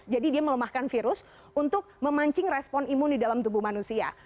jadi dia melemahkan virus untuk memancing respon imun di dalam tubuh manusia